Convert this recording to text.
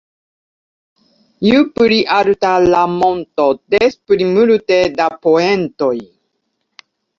Ju pli alta la monto, des pli multe da poentoj.